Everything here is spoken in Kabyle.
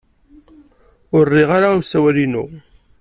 Ur rriɣ ara i usawal-inu.